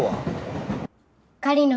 狩野